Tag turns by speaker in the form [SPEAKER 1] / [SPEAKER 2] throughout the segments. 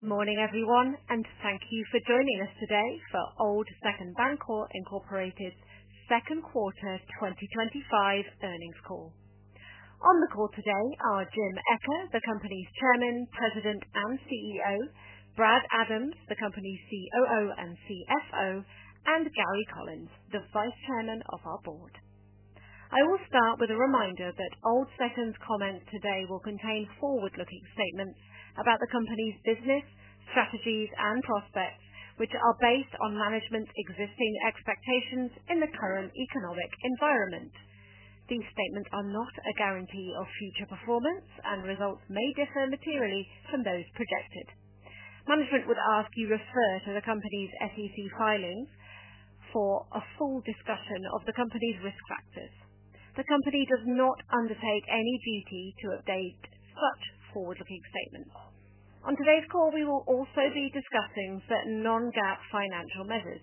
[SPEAKER 1] Morning everyone, and thank you for joining us today for Old Second Bancorp, Inc.'s second quarter 2025 earnings call. On the call today are Jim Eccher, the company's Chairman, President, and CEO, Brad Adams, the company's COO and CFO, and Gary Collins, the Vice Chairman of our board. I will start with a reminder that Old Second's comments today will contain forward-looking statements about the company's business, strategies, and prospects, which are based on management's existing expectations in the current economic environment. These statements are not a guarantee of future performance, and results may differ materially from those projected. Management would ask you to refer to the company's SEC filings for a full discussion of the company's risk practices. The company does not undertake any duty to update such forward-looking statements. On today's call, we will also be discussing certain non-GAAP financial measures.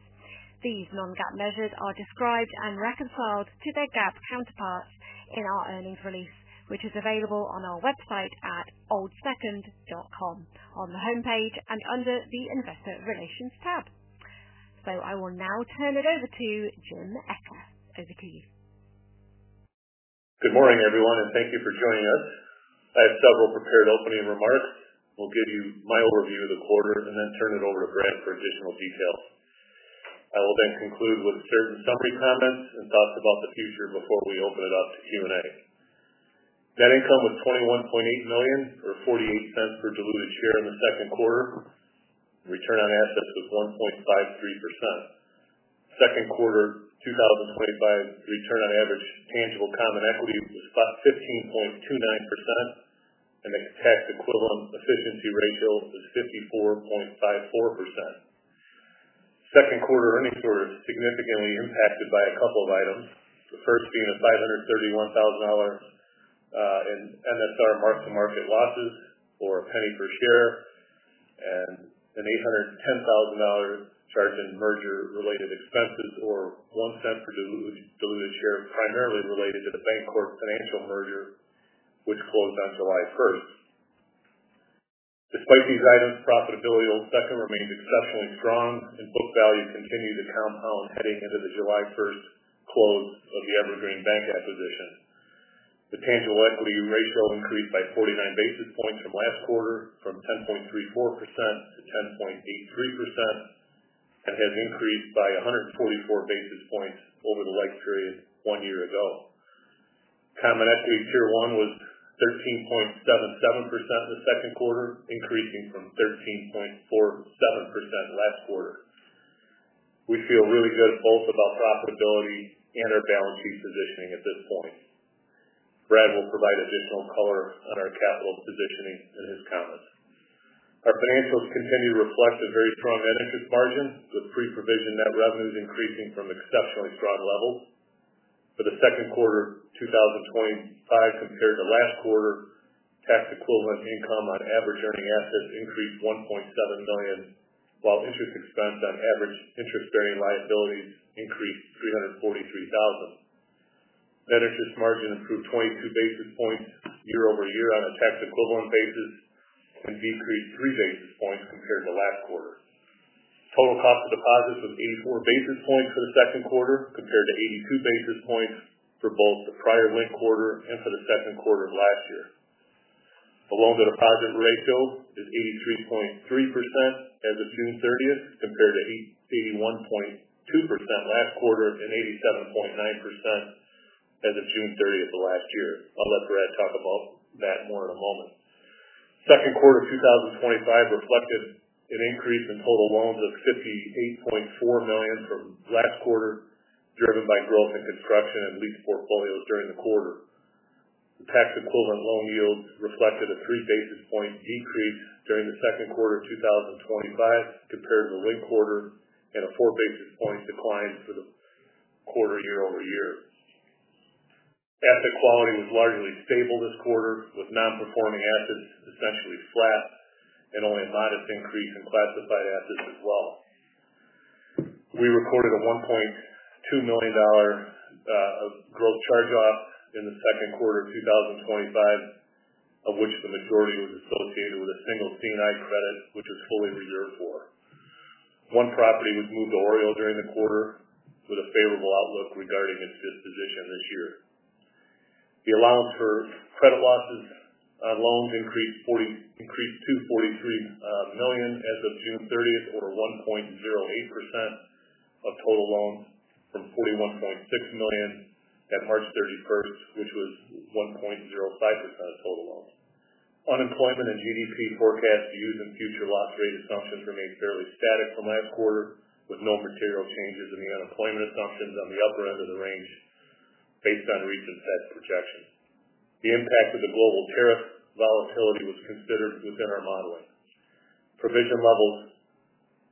[SPEAKER 1] These non-GAAP measures are described and reconciled to their GAAP counterparts in our earnings release, which is available on our website at oldsecond.com on the homepage and under the Investor Relations tab. I will now turn it over to Jim Eccher. Over to you.
[SPEAKER 2] Good morning everyone, and thank you for joining us. I have several prepared opening remarks. We'll give you my overview of the quarter and then turn it over to Brad for additional details. I will then conclude with certain company comments and thoughts about the future before we open it up to Q&A. Net income was $21.8 million or $0.48 per diluted share in the second quarter. The return on assets was 1.53%. Second quarter 2025, return on average tangible common equity was 15.29%, and the tax equivalent efficiency ratio is 54.54%. Second quarter earnings were significantly impacted by a couple of items, the first being a $531,000 in mortgage servicing rights (MSR) mark-to-market losses or $0.01 per share, and an $810,000 charge in merger-related expenses or $0.01 per diluted share primarily related to the Bancorp Financial merger, which closed on July 1. Despite these items, profitability at Old Second remains exceptionally strong, and book values continue to compound heading into the July 1 close of the Evergreen Bank Group acquisition. The tangible equity rate flow increased by 49 basis points in the last quarter from 10.34%-10.83% and had an increase by 144 basis points over the like period one year ago. Common equity share one was 13.77% in the second quarter, increasing from 13.47% last quarter. We feel really good both about profitability and our balance sheet positioning at this point. Brad will provide additional color on our capital positioning in his comments. Our financials continue to reflect a very strong benefit margin with pre-provision net revenues increasing from exceptionally strong levels. For the second quarter 2025 compared to last quarter, tax equivalent income on average earning assets increased $1.7 million, while interest expense on average interest-bearing liabilities increased $343,000. Net interest margin improved 22 basis points year over year on a tax equivalent basis and decreased three basis points compared to the last quarter. Total cost of deposits was 84 basis points for the second quarter compared to 82 basis points for both the prior winter quarter and for the second quarter of last year. The loan-to-deposit ratio is 83.3% as of June 30 compared to 81.2% last quarter and 87.9% as of June 30 of last year. I'll let Brad talk about that more in a moment. Second quarter 2025 reflected an increase in total loans of $58.4 million from last quarter, driven by growth in construction loans and lease portfolios during the quarter. The tax equivalent loan yield reflected a three basis point decrease during the second quarter of 2025 compared to the winter quarter and a four basis point decline for the quarter year over year. Asset quality was largely stable this quarter, with non-performing assets essentially flat and only a modest increase in classified assets as well. We recorded a $1.2 million gross charge-off in the second quarter of 2025, of which the majority was associated with a single C&I credit, which is holding the year for. One property was moved to OREO during the quarter with a favorable outlook regarding its disposition this year. The allowance for credit losses on loans increased to $43 million as of June 30th, or 1.08% of total loans from $41.6 million at March 31st, which was 1.05% of total loans. Unemployment and GDP forecasts used in future loss rate assumptions remain fairly static from last quarter, with no material changes in the unemployment assumptions on the upper end of the range based on recent set projections. The impact of the global tariff volatility was considered within our modeling. Provision level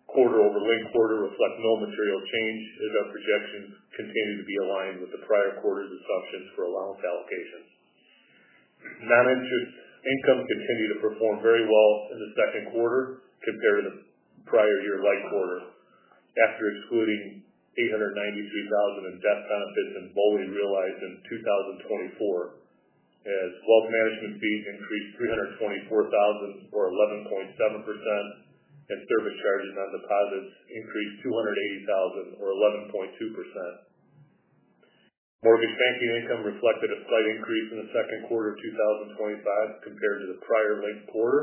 [SPEAKER 2] quarter over late quarter reflect no material change, as our projections continue to be aligned with the prior quarter's assumptions for allowance allocation. Non-interest income continued to perform very well in the second quarter compared to the prior year of the quarter, after excluding $892,000 in death benefits and BOLI realized in 2024, as wealth management fees increased $324,000 or 11.7%, and service charges on deposits increased $280,000 or 11.2%. Mortgage banking income reflected a slight increase in the second quarter of 2025 compared to the prior late quarter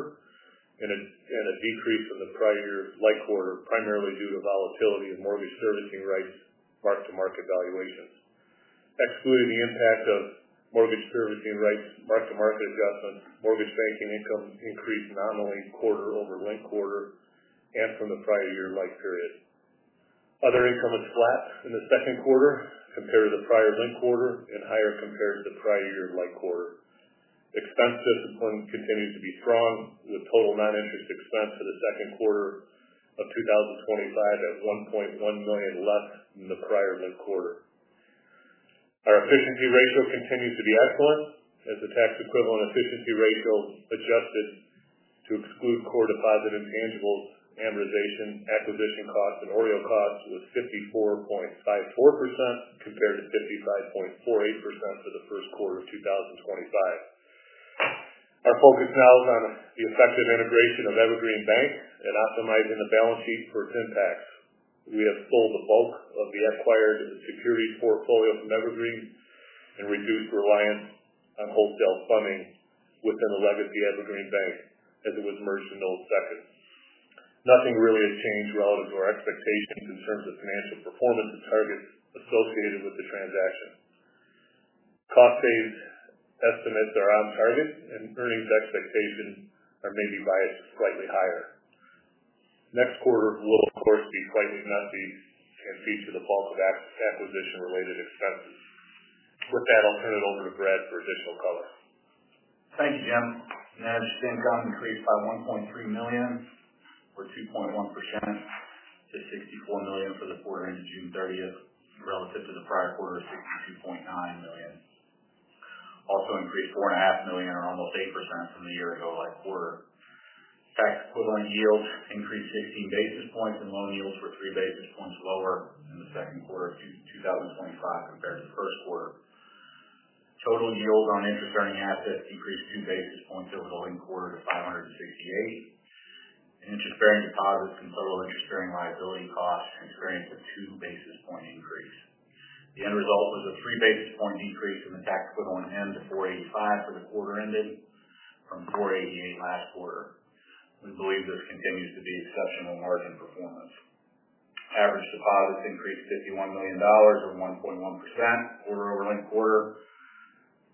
[SPEAKER 2] and a decrease in the prior year's late quarter, primarily due to volatility in mortgage servicing rights mark-to-market valuations. Excluding the impact of mortgage servicing rights mark-to-market adjustments, mortgage banking income increased nominally quarter over late quarter and from the prior year's like period. Other income is flat in the second quarter compared to the prior winter quarter and higher compared to the prior year's like quarter. Expense discipline continues to be strong, with total non-interest expense for the second quarter of 2025 at $1.1 million less than the prior winter quarter. Our efficiency ratio continues to be excellent, as the tax equivalent efficiency ratio adjusted to exclude Core Deposit Intangible amortization acquisition cost and OREO cost was 54.54% compared to 55.48% for the first quarter of 2025. Our focus now is on the effective integration of Evergreen Bank Group and optimizing the balance sheet for its impacts. We have sold the bulk of the acquired securities portfolio from Evergreen and reduced reliance on wholesale funding within the legacy of Evergreen Bank, as it was merged with Old Second. Nothing really has changed relative to our expectations in terms of financial performance targets associated with the transaction. Cost savings estimates are on target, and earnings expectations are maybe biased slightly higher. Next quarter will, of course, feature the bulk of merger-related expenses. With that, I'll turn it over to Brad for additional color.
[SPEAKER 3] Thank you, Jim. Net income increased by $1.3 million or 2.1% to $64 million for the four days of June 30th relative to the prior quarter of $62.9 million. Also increased $4.5 million or almost 8% from the year ago like quarter. Tax equivalent yield increased 16 basis points and loan yields were three basis points lower in the second quarter of 2025 compared to the first quarter. Total yield on interest earning assets decreased two basis points over the late quarter to 5.68%. Interest earning deposits and total securing liability costs and credit to two basis point increase. The end result was a three basis point increase in the tax equivalent income to 4.85% for the quarter ended from 4.88% last quarter. Employees have continued to be exceptional margin performance. Average deposits increased $51 million or 1.1% quarter over late quarter.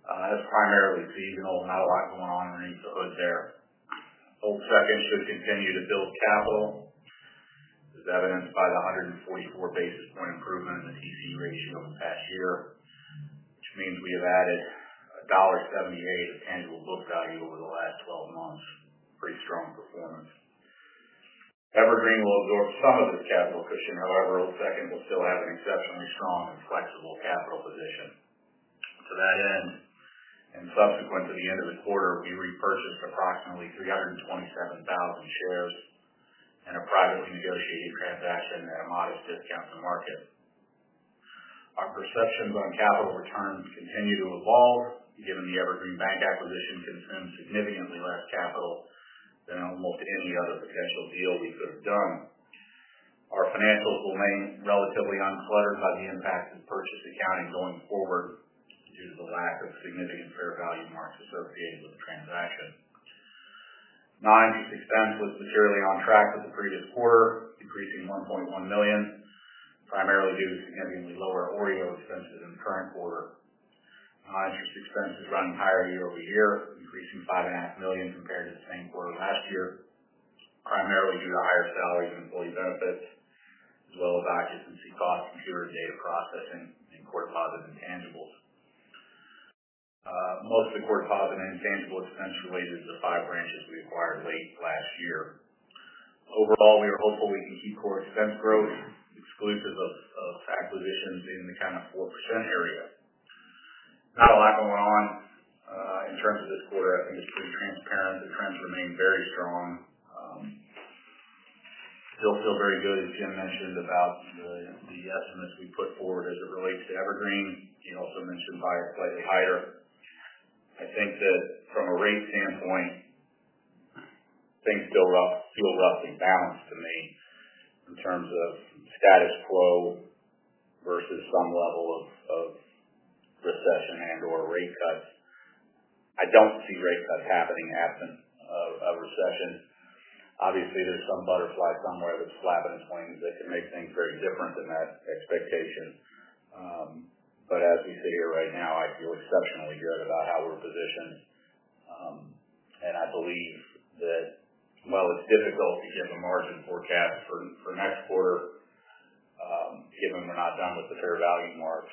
[SPEAKER 3] That's primarily seasonal and outlined below underneath the hood there. Old Second should continue to build capital, as evidenced by the 144 basis point improvement in the TC ratio in the past year, which means we have added $1.78 of annual book value over the last 12 months. Pretty strong performance. Evergreen will absorb some of its capital cushion, however, Old Second will still have an exceptionally strong and flexible capital position. To that end, and subsequent to the end of the quarter, we repurchased approximately 327,000 shares in a privately negotiated transaction at a modest discount to market. Our perceptions on capital returns continue to evolve given the Evergreen Bank acquisition consumes significantly less capital than almost any other potential deal we could have done. Our financials remain relatively uncluttered by the impact of purchase accounting going forward due to the lack of significant fair value marks associated with the transaction. Non-interest expense was materially on track for the previous quarter, increasing $1.1 million, primarily due to significantly lower OREO expenses in the current quarter. Non-interest expense has run higher year over year, increasing $5.5 million compared to the same quarter last year, primarily due to higher salaries and employee benefits, as well as acquisition costs through data processing and core deposits and tangibles. Most of the Core Deposit Intangible expense related to the five branches we acquired late last year. Overall, we are hopeful keep with core expense growth exclusive of acquisitions in the kind of four percent area. Not a lot going on. In terms of this quarter, I think it's pretty transparent. The trends remain very strong. I don't feel very good, as Jim mentioned, about the estimates we put forward as it relates to Evergreen. He also mentioned bias slightly higher. I think that from a rate standpoint, things still look roughly balanced to me in terms of status quo versus some level of recession and/or rate cuts. I don't see rate cuts happening. A recession, obviously, there's some butterfly somewhere that's flapping its wings. It can make things very different than that expectation. As we sit here right now, I feel exceptionally good about how we're positioned. I believe that, although it's difficult to give a margin forecast for next quarter given we're not done with the fair value marks,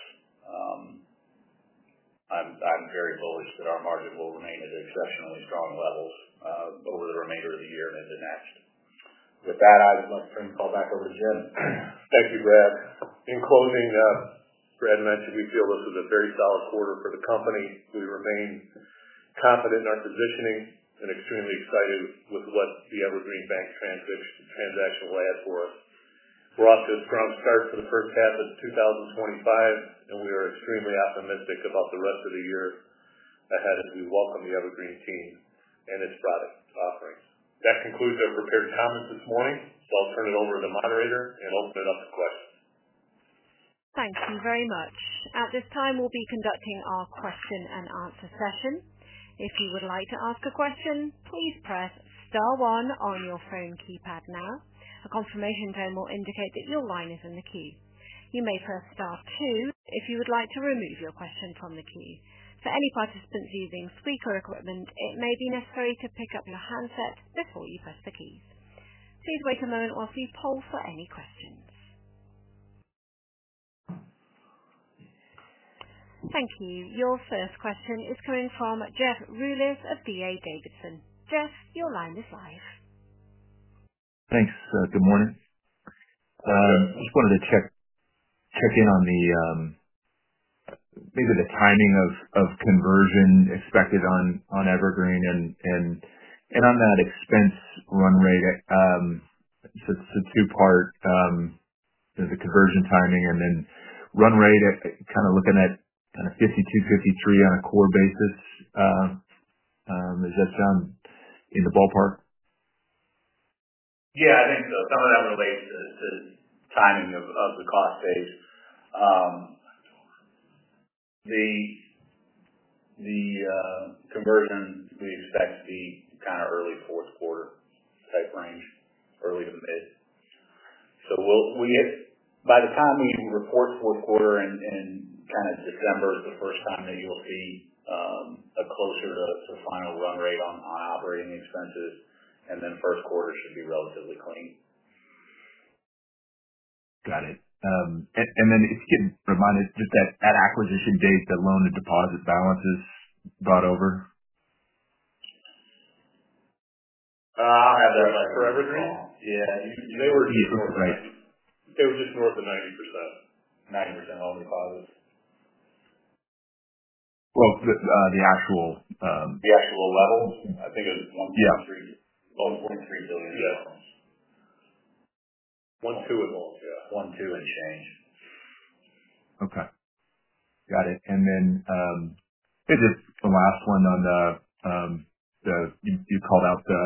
[SPEAKER 3] I'm very bullish that our margin will remain at exceptionally strong levels over the remainder of the year and into next. With that, I would like to turn the call back over to Jim.
[SPEAKER 2] Thank you, Brad. In closing, Brad mentioned he feels this is a very solid quarter for the company. We remain confident in our positioning and extremely excited with what the Evergreen Bank transaction will add for us. We're off to a strong start for the first half of 2025, and we are extremely optimistic about the rest of the year ahead as we welcome the Evergreen team and its product offerings. That concludes our prepared comments this morning, so I'll turn it over to the moderator and open it up to questions.
[SPEAKER 1] Thank you very much. At this time, we'll be conducting our question and answer session. If you would like to ask a question, please press star one on your phone keypad now. A confirmation tone will indicate that your line is in the queue. You may press star two if you would like to remove your question from the queue. For any participants using speaker equipment, it may be necessary to pick up your handset before you press the keys. Please wait a moment while we poll for any questions. Thank you. Your first question is coming from Jeff Rulis of D.A. Davidson. Jeff, your line is live.
[SPEAKER 4] Thanks. Good morning. I just wanted to check in on the timing of conversion expected on Evergreen and on that expense run rate. It's a two-part. There's a conversion timing and then run rate at kind of looking at 52-53 on a core basis. Does that sound in the ballpark?
[SPEAKER 2] Yeah, I think some of that relates to the timing of the cost base. The conversion to be expected to be kind of early fourth quarter type range, early to mid. By the time we report fourth quarter in December is the first time that you'll see closer to the final run rate on operating expenses, and then first quarter should be relatively clean.
[SPEAKER 4] Got it. If you can remind us, did that acquisition days the loan-to-deposit balances bought over?
[SPEAKER 2] I'll have that like for Evergreen?
[SPEAKER 4] Yeah.
[SPEAKER 2] They were just north of 90%.
[SPEAKER 4] 90% of all deposits?
[SPEAKER 2] Just the actual,
[SPEAKER 4] The actual level?
[SPEAKER 2] Yeah.
[SPEAKER 4] 123 billion?
[SPEAKER 2] Yeah. One, two of those. Yeah. One, two and change.
[SPEAKER 4] Okay. Got it. Is the last one on the, you called out the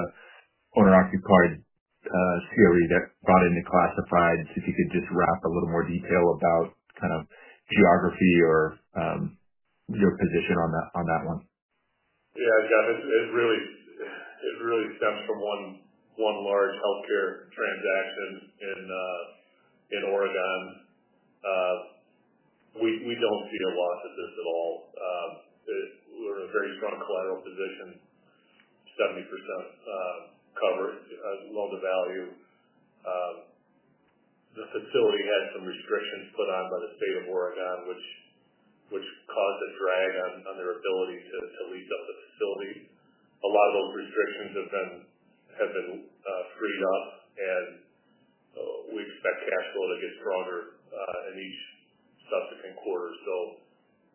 [SPEAKER 4] owner-occupied security that's brought into classified. If you could just wrap a little more detail about kind of geography or your position on that one.
[SPEAKER 2] Yeah, I got it. It really stems from one large healthcare transaction in Oregon. We don't see a loss at this at all. We're in a very strong collateral position, 70% coverage loan-to-value. The facility had some restrictions put on by the state of Oregon, which caused a drag on their ability to lease out the facilities. A lot of those restrictions have been freed up, and we expect cash flow to get stronger in each subsequent quarter.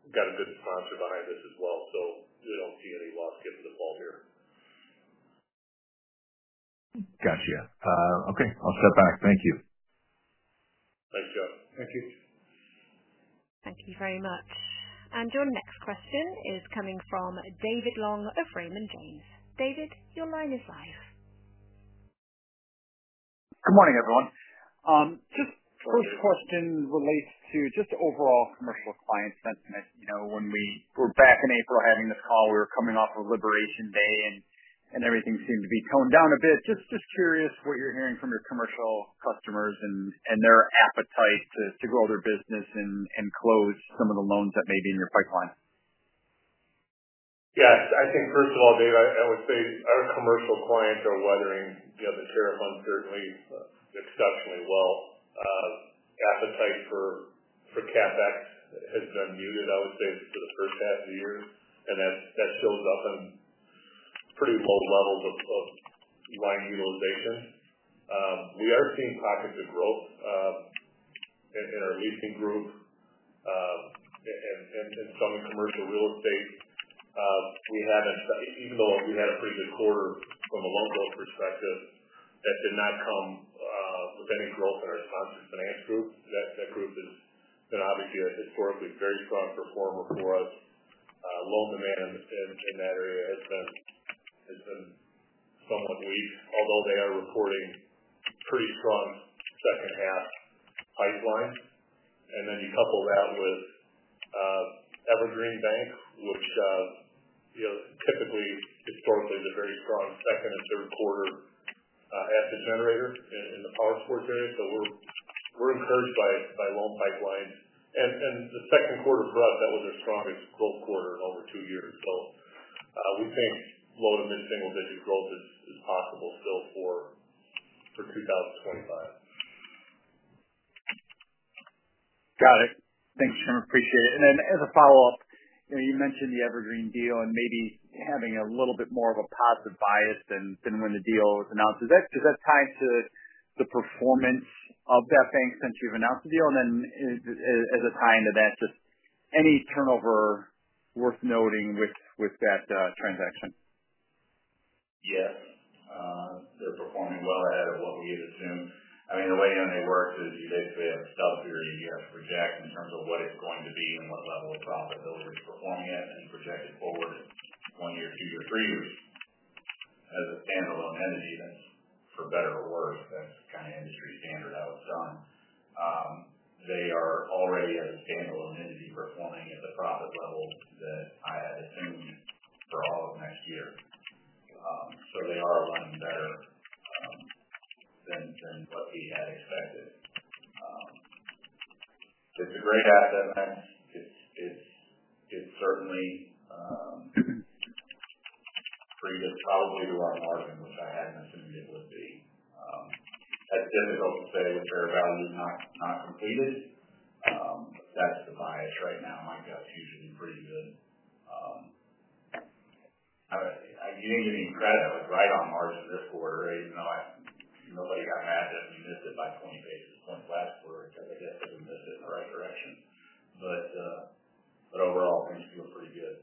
[SPEAKER 2] We've got a good sponsor behind us as well. We don't see any loss given the fall here.
[SPEAKER 4] Gotcha. Okay. I'll step back. Thank you.
[SPEAKER 2] Thanks, Jeff.
[SPEAKER 4] Thank you.
[SPEAKER 1] Thank you very much. Your next question is coming from David Long of Raymond James. David, your line is live.
[SPEAKER 5] Good morning, everyone. My first question relates to overall commercial book client sentiment. When we were back in April having this call, we were coming off of Liberation Day, and everything seemed to be toned down a bit. I'm just curious what you're hearing from your commercial customers and their appetite to grow their business and close some of the loans that may be in your pipeline.
[SPEAKER 2] Yes. I think, first of all, David, I would say our commercial clients are weathering the tariff uncertainties exceptionally well. Appetite for CapEx has been muted, I would say, since the first half of the year, and that's still about pretty low levels of line utilization. We are seeing pockets of growth in our leasing group, and some in commercial real estate. We had a even though we had a pretty good quarter from a loan growth perspective, that did not come with any growth in our finance group. That group has been obviously historically very strong performer for us. Loan demand in that area has been somewhat weak, although they are reporting pretty strong second half pipelines. You couple that with Evergreen Bank, which you know, typically historically is a very strong second and third quarter asset generator in the power source area. We are encouraged by loan pipelines. The second quarter brought that was our strongest growth quarter in over two years. We think low to mid-single-digit growth is possible still for 2025.
[SPEAKER 5] Got it. Thanks, Jim. Appreciate it. You mentioned the Evergreen deal and maybe having a little bit more of a positive bias than when the deal was announced. Does that tie to the performance of that bank since you've announced the deal? As a tie into that, just any turnover worth noting with that transaction?
[SPEAKER 3] Yes. They're performing well ahead of what we had assumed. I mean, the way that they work is you take their subperiod year-to-year projection in terms of what it's going to be and what level of profitability it's performing at and project it forward going into year two or three as a standalone entity, for better or worse. It's kind of industry standard outside. They are already a standalone and performing at the profit level that I had assumed for all of that year. It is a great asset. Pretty good. Probably a lot larger than what I had assumed it would be. That's difficult to say. Fair value is not completed, but that's the bias right now. I've got a few pretty good, I mean, you didn't get any credit right on March this quarter, even though I see the lady I had that we missed it by 20 pages or 20 less, where it said we definitely missed it. All right, direction. Overall, we feel pretty good.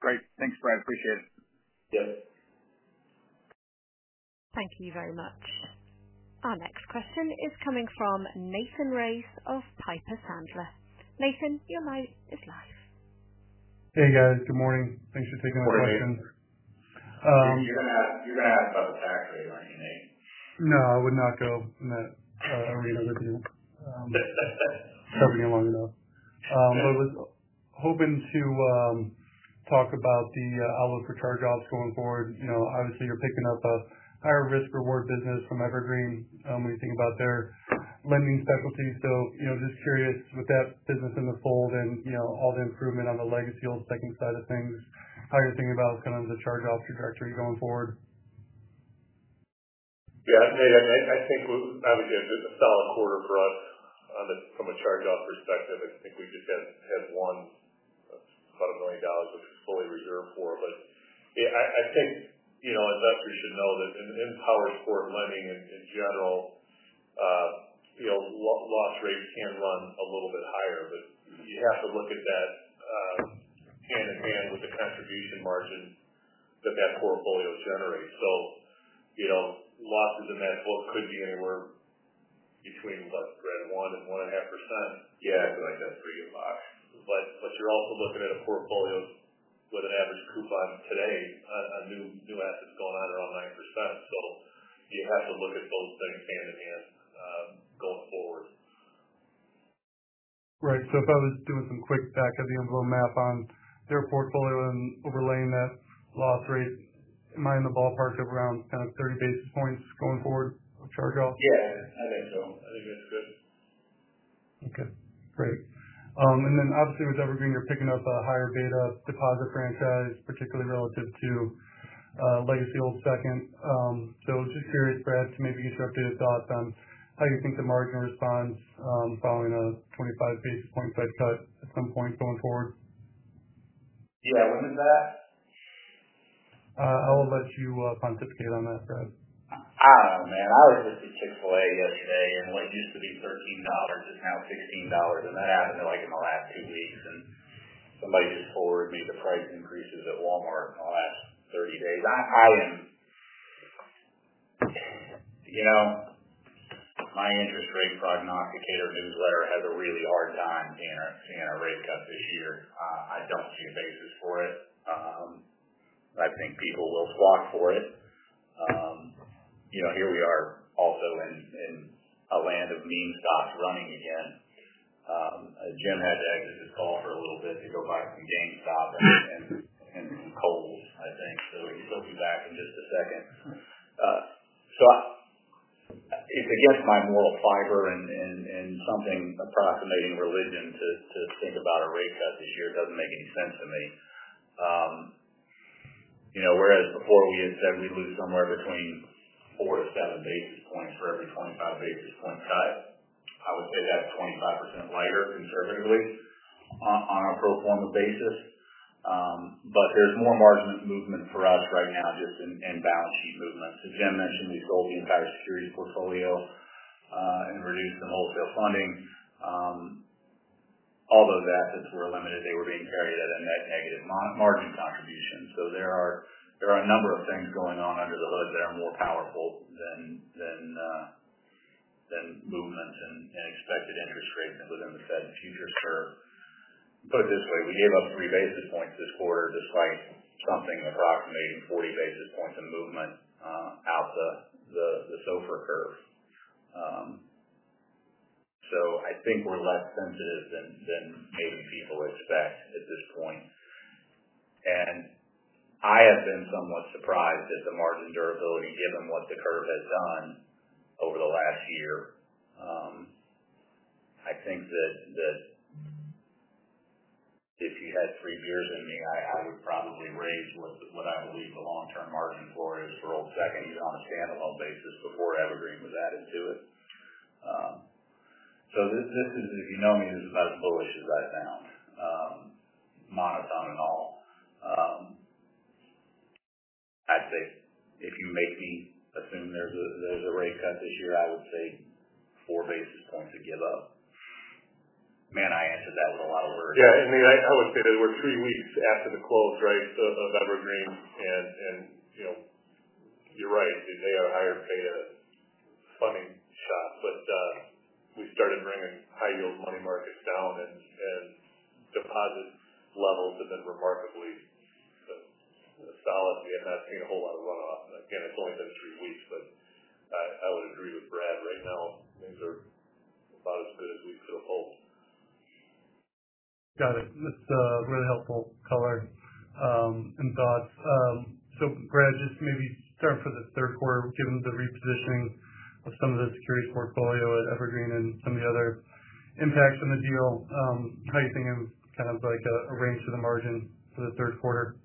[SPEAKER 5] Great. Thanks, Brad. Appreciate it.
[SPEAKER 3] Yes.
[SPEAKER 1] Thank you very much. Our next question is coming from Nathan Race of Piper Sandler. Nathan, your line is live.
[SPEAKER 6] Hey, guys. Good morning. Thanks for taking my question.
[SPEAKER 3] Welcome.
[SPEAKER 6] No, I would not go in that arena with you. It's never been long enough. I was hoping to talk about the outlook for charge-offs going forward. Obviously, you're picking up a higher risk reward business from Evergreen when you think about their lending specialties. I'm just curious with that business in the fold and all the improvement on the legacy Old Second Bancorp side of things, how you're thinking about what's going to be the charge-off trajectory going forward?
[SPEAKER 2] Yeah, I mean, I think we're probably good. It's a solid quarter for us from a charge-off perspective. I think we just had one of $1 million that was fully reserved for. I think, you know, investors should know that in power source lending in general, loss rates can run a little bit higher, but you have to look at that hand in hand with the contribution margin that that portfolio generates. Losses in that quote could be anywhere between less than one percent and one point five percent. It's not a pretty good buy, but you're also looking at a portfolio with an average coupon today on new assets going on around nine percent. You have to look at those things hand in hand, going forward.
[SPEAKER 6] Right. If I was doing some quick back of the envelope math on their portfolio and overlaying that loss rate, am I in the ballpark of around 30 basis points going forward of charge-off?
[SPEAKER 2] Yeah, I think so. I think that's good.
[SPEAKER 6] Okay. Great. Obviously, with Evergreen, you're picking up a higher beta deposit franchise, particularly relative to legacy Old Second. I'm just curious, Brad, to maybe interrupt you to drop on how you think the margin responds, following a 25 basis point Fed cut at some point going forward.
[SPEAKER 3] Yeah, when is that?
[SPEAKER 6] I'll let you up on that, Brad.
[SPEAKER 3] Oh, man. I remember the $6.48 yesterday, and what used to be $13 is now $16. That happened in the last two weeks. Somebody just told me the price increases at Walmart in the last 30 days. I mean, my interest rate prognosticator newsletter has a really hard time seeing a rate cut this year. I don't see a basis for it, but I think people will flock for it. Here we are also in a land of meme stocks running again. A general thing is to call for a little bit to go buy a few GameStop. It's against my moral fiber and something approximating religion to think about a rate cut this year. It doesn't make any sense to me. Whereas before we had said we'd lose somewhere between four to seven basis points for every 25 basis point cut, I would say that's 25% lighter conservatively on a pro forma basis. There's more margin to movement for us right now just in balance sheet movement. As Jim mentioned, we sold the entire security portfolio and reduced the wholesale funding. All those assets were limited. They were being carried at a net negative margin contribution. There are a number of things going on under the hood that are more powerful than movements and expected interest rate within the Fed's futures curve. Put it this way, we gave up 3 basis points this quarter despite something approximating 40 basis points of movement out the SOFR curve. I think we're less pointed than maybe people expect at this point. I have been somewhat surprised at the margin durability given what the curve has done over the last year. I think that if you had for your view, I would probably raise what I believe the long-term margin is for Old Second here on a standalone basis before Evergreen was added to it. This is, if you know me, this is about as bullish as I've found. Monotone and all. I'd say if you make me assume there's a rate cut this year, I would say four basis points to give up. Man, I answered that with a lot of words.
[SPEAKER 6] Yeah. I would say that we're three weeks after the close, right, of Evergreen. You know you're right. They are a higher beta funding shop. We started bringing high-yield loan markets down and deposit levels have been remarkably solid. We haven't seen a whole lot of runoff. Again, it's only been three weeks, but I would agree with Brad. Right now, these are about as good as we feel hope. Got it. That's a really helpful color and thoughts. Brad, just maybe start for the third quarter given the repositioning of some of the security portfolio at Evergreen and the other impacts on the deal. How are you thinking of kind of like a range to the margin for the third quarter?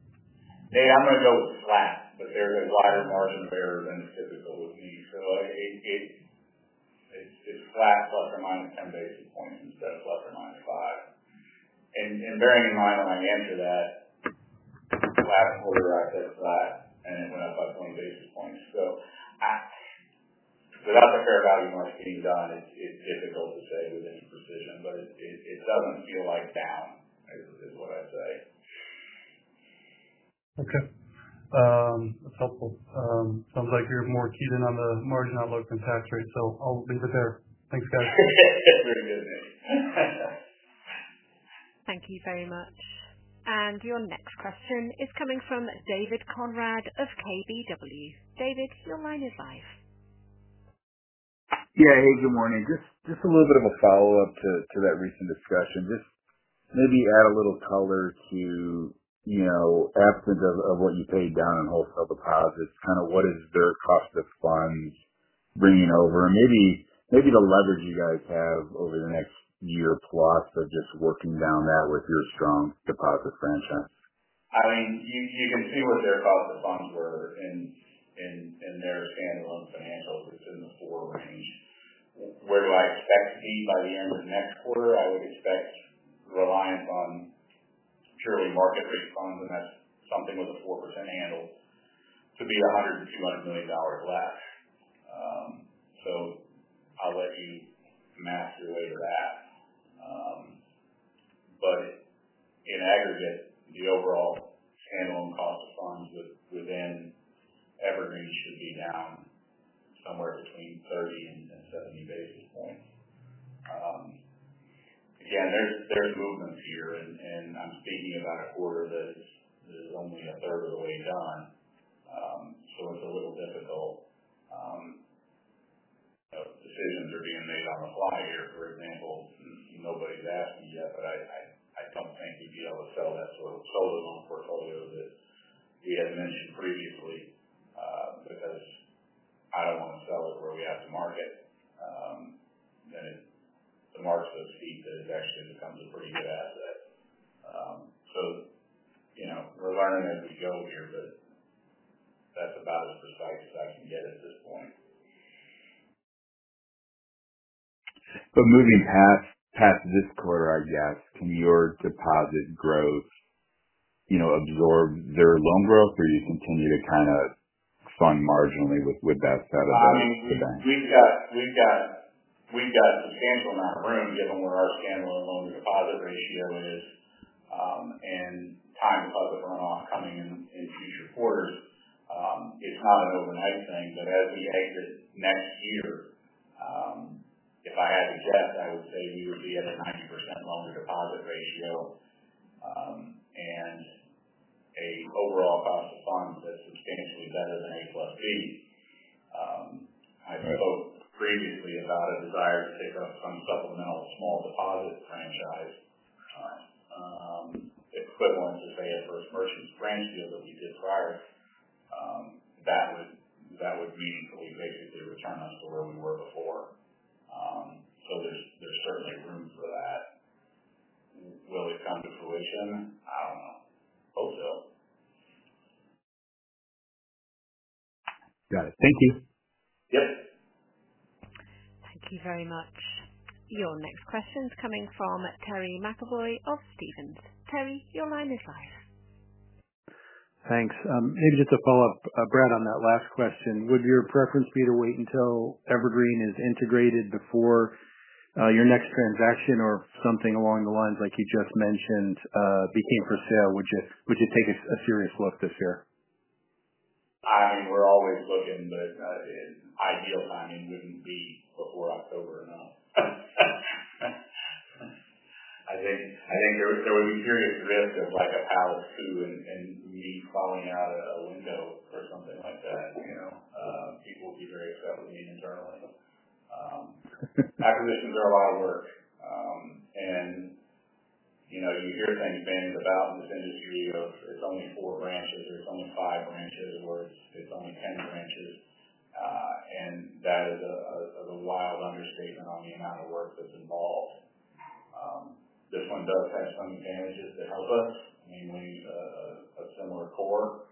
[SPEAKER 3] Yeah, I'm going to go with flat because there is a wider margin there than it typically would be. It's flat plus or minus 10 basis points instead of plus or minus five. Bearing in mind when I answer that, they're not for fair value marks to use on it. It's difficult to say with any precision, but it's seven.
[SPEAKER 6] Okay, that's helpful. Sounds like you're more keyed in on the margin outlook than pass rate, so I'll leave it there. Thanks, guys.
[SPEAKER 3] Very good.
[SPEAKER 1] Thank you very much. Your next question is coming from David Conrad of KBW. David, your line is live.
[SPEAKER 7] Yeah. Hey, good morning. Just a little bit of a follow-up to that recent discussion. Maybe add a little color to, you know, absence of what you paid down in wholesale deposits, kind of what is their cost of funds bringing over? Maybe the leverage you guys have over the next year plus of just working down that with your strong deposit franchise.
[SPEAKER 3] I mean, you can see what their cost of funds were in their standalone financials in the for percent range. What do I expect to see by the end of the next quarter? I would expect relying upon the market-based funds that have something with a for percent handle to be $100 million less. I'll let you match the way you're at. In aggregate, the overall standalone cost of funds within every range could be down somewhere between 30 and 70 basis points. Again, there's movements here. I'm speaking about a quarter that is only the third. I'm sitting in the DMAs on a fly here, for example. Nobody's asked me yet, but I thought Pencke PL had sold that portfolio that he had mentioned previously, because I don't want to sell it when you have to market, and if the market would see that it actually becomes a pretty good asset. We're learning as we go.
[SPEAKER 7] Moving past this quarter, I guess, can your deposit growth absorb their loan growth, or do you continue to kind of fund marginally with that side of the bank?
[SPEAKER 3] We've got a substantial amount of range given where our standalone loan-to-deposit ratio is. In times of positive runoff coming in the Q2 quarter, it's not an overnight thing. As we exit next year, if I had to guess, I would say we would be at a 90% loan-to-deposit ratio and an overall cost of funds that's substantially better than A plus B. I spoke previously about a desire to take up some supplemental small deposits and equivalents, as they adverse versus frank deals that we did prior. That would mean that we'd basically return us to where we were before, so there's certainly room for that. Will it come to fruition?
[SPEAKER 4] Got it. Thank you.
[SPEAKER 3] Yep.
[SPEAKER 1] Thank you very much. Your next question is coming from Terry McEvoy of Stephens. Terry, your line is live.
[SPEAKER 8] Thanks. Maybe just a follow-up, Brad, on that last question. Would your preference be to wait until Evergreen is integrated before your next transaction, or something along the lines like you just mentioned, be keen for sale? Would you take a serious look this year?
[SPEAKER 3] I mean, we're always looking, but ideal timing wouldn't be before October, no. I think there would be serious risks like a power scoot and me falling out of a window or something like that. You know, people would be very accepting of me in general. Acquisitions are a lot of work, and you hear things saying about this industry of its own four branches, its own five branches, or its own 10 branches. That is a wild understatement on the amount of work that's involved. This one does have some advantages to help us, and we have a similar core.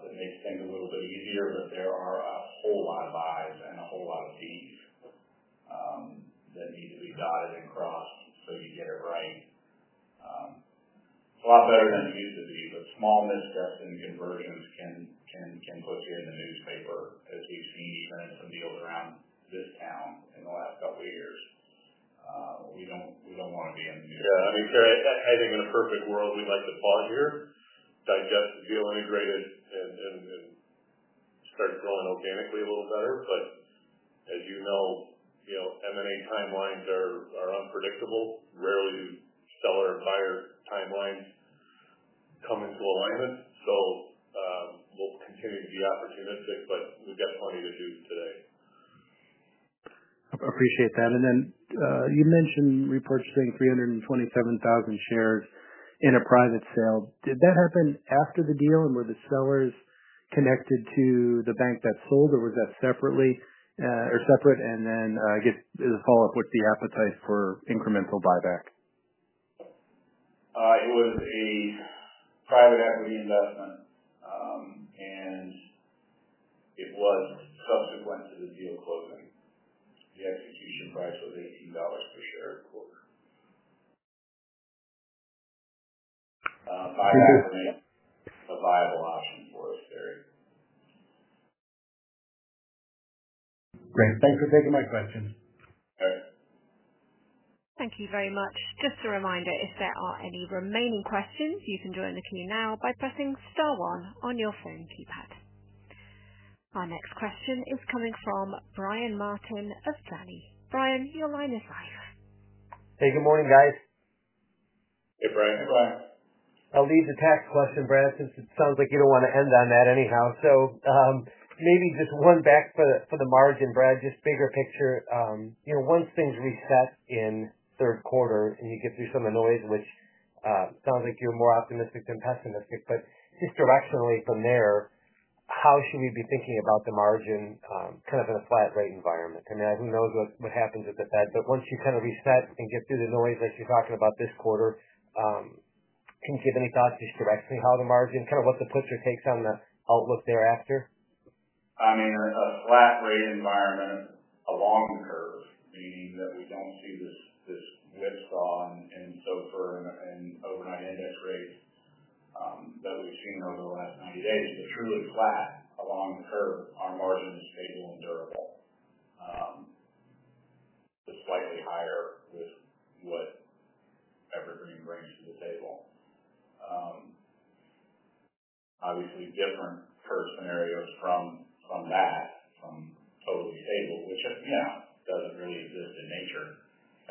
[SPEAKER 3] It makes things a little bit easier, but there are a whole lot of I's and a whole lot of D's that need to be dotted and crossed so you get it right. A lot better than it used to be, but small missteps in conversions can put you in the newspaper as we've seen some of the overall discounts in the last couple of years. We don't want to be in the. Yeah. I mean, Terry, I think in a perfect world, we'd like to pause here, digest the deal, integrate it, and start growing organically a little better. As you know, M&A timelines are unpredictable. Rarely do seller and buyer timelines come into alignment. We'll continue to be opportunistic, but we've got plenty to choose today.
[SPEAKER 8] Appreciate that. You mentioned repurchasing $327,000 shares in a private sale. Did that happen after the deal, and were the sellers connected to the bank that sold, or was that separate? I guess, as a follow-up, what's the appetite for incremental buyback?
[SPEAKER 3] It was a private equity investment. It was. It's what's the deal equivalent? Yes, it's the price of $18 per share of the quarter.
[SPEAKER 7] Great. Thanks for taking my question.
[SPEAKER 3] Okay.
[SPEAKER 1] Thank you very much. Just a reminder, if there are any remaining questions, you can join the queue now by pressing star one on your phone keypad. Our next question is coming from Brian Martin of Janney. Brian, your line is live.
[SPEAKER 9] Hey, good morning, guys.
[SPEAKER 4] Hey, Brian.
[SPEAKER 9] Good morning. I'll leave the tax question, Brad, since it sounds like you don't want to end on that anyhow. Maybe just one back for the margin, Brad, just bigger picture. You know, once things reset in third quarter and you get through some of the noise, which sounds like you're more optimistic than pessimistic, just directionally from there, how should we be thinking about the margin, kind of in a flat-rate environment? I mean, I don't know what happens at the Fed, but once you kind of reset and get through the noise like you're talking about this quarter, can you give any thoughts just directionally how the margin, kind of what the picture takes on the outlook thereafter?
[SPEAKER 3] I mean, a flat-rate environment along the curve, meaning that we don't see this lift on in SOFR and overnight index rate. We've seen over the last few days, it's really flat along the curve and more than it's stable and durable. It's slightly higher than what Evergreen brings to the table. Obviously, different curve scenarios from that, from totally stable, which, you know, does re-exist in nature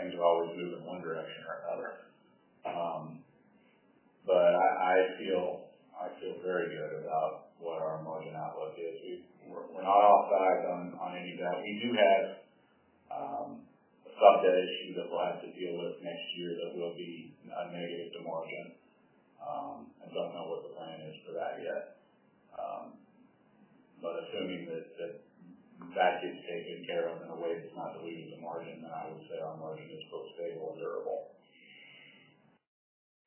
[SPEAKER 3] and go either one direction or another. I feel very good about what our margin outlook is. We're not outside on any of that. We do have a subsidy that we'll have to deal with next year that will be a negative to margin. I don't know what the plan is for that year. Assuming that gets taken care of in a way that's not.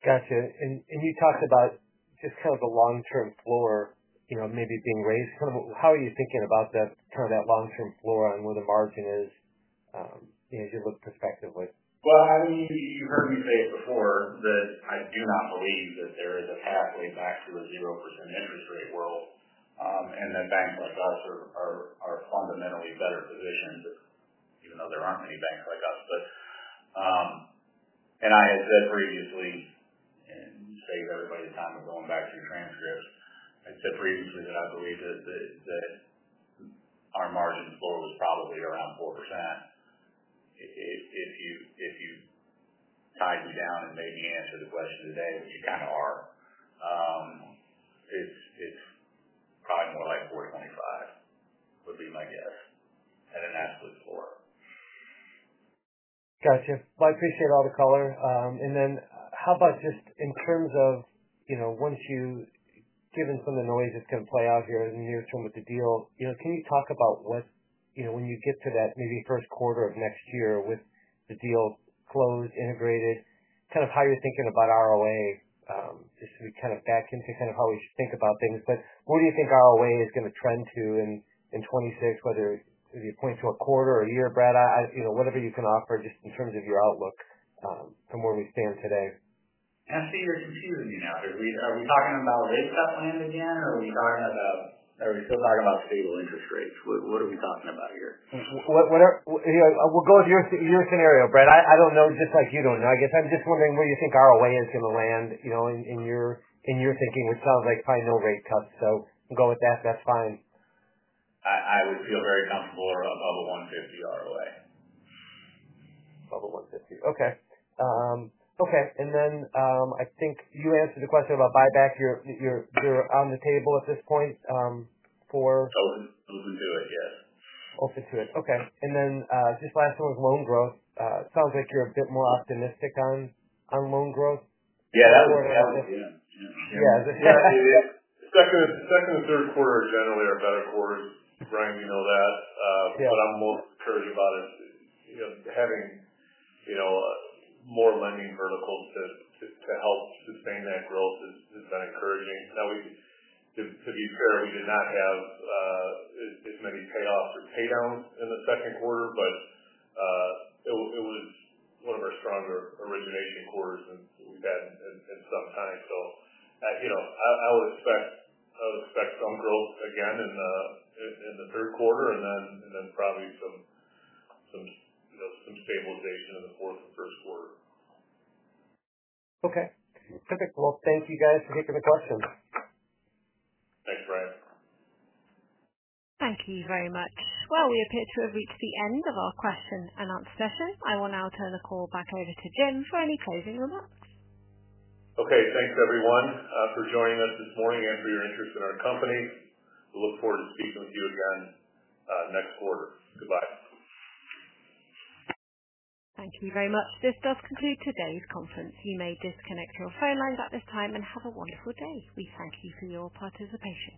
[SPEAKER 9] Gotcha. You talked about just kind of the long-term floor, you know, maybe being raised. How are you thinking about that, kind of that long-term floor and where the margin is, you know, just with the perspective with.
[SPEAKER 3] I mean, you heard me say it before, that I do not believe that there is a pathway back to a zero percent interest rate world, and that banks like us are fundamentally better positioned, even though there aren't many banks like us. I had said previously, and to save everybody's time of going back through transcripts, I said previously that I believe that our margin floor was probably around four percent. If you guide me down and maybe answer the question today, you kind of are. It's probably more like 4.25% would be my guess.
[SPEAKER 9] Gotcha. I appreciate all the color. How about just in terms of, you know, once you've given some of the noise that's going to play out here in the near term with the deal, can you talk about what, you know, when you get to that maybe first quarter of next year with the deal closed, integrated, kind of how you're thinking about ROA, just to be kind of back into kind of how we think about things. Where do you think ROA is going to trend to in 2026, whether it points to a quarter or a year, Brad, whatever you can offer just in terms of your outlook, from where we stand today?
[SPEAKER 3] I see you're confusing me now. Are we talking about rate cut land again? Are we talking about, are we still talking about stable interest rates? What are we talking about here? What are we talking about?
[SPEAKER 9] We'll go with your scenario, Brad. I don't know. Just like you don't know. I guess I'm just wondering where you think ROA is going to land, you know, in your thinking. It sounds like probably no rate cuts. Go with that. That's fine.
[SPEAKER 3] I would feel very comfortable with a 1.50% ROA.
[SPEAKER 9] Okay. I think you answered the question about buyback. You're on the table at this point, for.
[SPEAKER 3] Oh, we'll do it. Yes.
[SPEAKER 9] We'll get through it. Okay. This last one was loan growth. It sounds like you're a bit more optimistic on loan growth.
[SPEAKER 3] Yeah, that was more than helpful.
[SPEAKER 9] Yeah. Is there anything else?
[SPEAKER 2] Second and third quarter are generally our better quarters, Brian, you know that. What I'm most encouraged about is, you know, having more money in verticals to help sustain that growth is kind of encouraging. Now to be fair, we did not have as many payoffs or paydowns in the second quarter, but it was one of our stronger origination quarters than we've had in some time. So I would expect some growth again in the third quarter and then probably some stabilization in the fourth and first quarter.
[SPEAKER 9] Okay. Perfect. Thank you, guys, for taking the questions.
[SPEAKER 3] Thanks, Brian.
[SPEAKER 1] Thank you very much. We appear to have reached the end of our question and answer session. I will now turn the call back over to Jim for any closing remarks.
[SPEAKER 2] Okay. Thanks, everyone, for joining us this morning and for your interest in our companies. We look forward to speaking with you again next quarter. Goodbye.
[SPEAKER 1] Thank you very much. This does conclude today's conference. You may disconnect your phone lines at this time and have a wonderful day. We thank you for your participation.